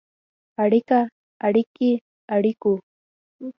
اړیکه ، اړیکې، اړیکو.